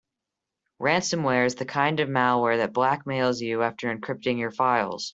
Ransomware is the kind of malware that blackmails you after encrypting your files.